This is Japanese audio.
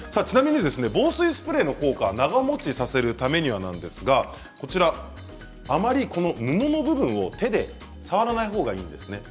防水スプレーの効果は長もちさせるためにあるんですがあまり布の部分を手で触らないほうがいいですね。